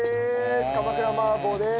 鎌倉麻婆です。